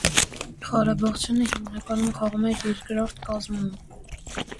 Ղարաբաղցյանը հիմնականում խաղում էր երկրորդ կազմում։